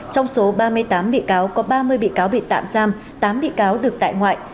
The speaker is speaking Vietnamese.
trong số ba mươi tám bị cáo có ba mươi bị cáo bị tạm giam tám bị cáo được tại ngoại